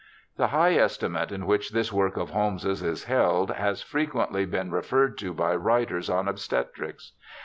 The high estimate in which this work of Holmes's is held has frequently been referred to by writers on obstetrics.